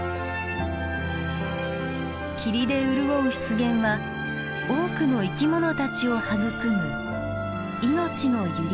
霧で潤う湿原は多くの生きものたちを育む命の揺りかごです。